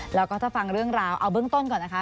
แล้วก็ถ้าฟังเรื่องราวเอาเบื้องต้นก่อนนะคะ